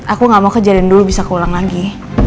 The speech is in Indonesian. aku gak mau ke jalan dulu bisa keulang lagi